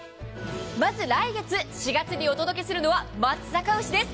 まず来月４月にお届けするのは松阪牛です。